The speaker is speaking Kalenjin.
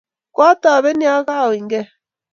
Katobeni ya kokiaunygei